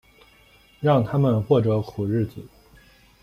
让他们过着苦日子